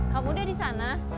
kamu udah di sana